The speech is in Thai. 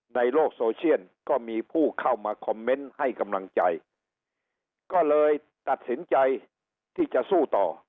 ในโลกโซเชียลก็มีผู้เข้ามาคอมเมนต์ให้กำลังใจก็เลยตัดสินใจที่จะสู้ต่อ